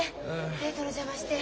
デートの邪魔して。